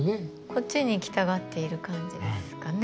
こっちに行きたがっている感じですかね。